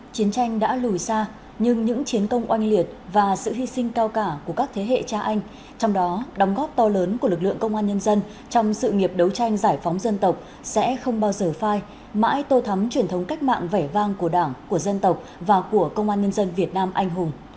chiến tranh đã lùi xa nhưng những chiến công oanh liệt và sự hy sinh cao cả của các thế hệ cha anh trong đó đóng góp to lớn của lực lượng công an nhân dân trong sự nghiệp đấu tranh giải phóng dân tộc sẽ không bao giờ phai mãi tô thắm truyền thống cách mạng vẻ vang của đảng của dân tộc và của công an nhân dân việt nam anh hùng